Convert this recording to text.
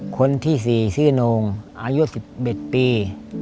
คนที่๔ชื่อโน่งอายุ๑๑ปี